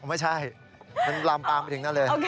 ไม่ใช่มันลามปามไปถึงนั่นเลย